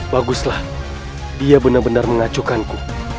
baguslah dia benar benar mengacukanku